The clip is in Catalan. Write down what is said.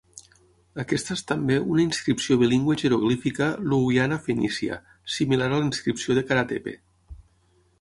Aquesta és també una inscripció bilingüe jeroglífica luwiana-fenícia, similar a la inscripció de karatepe.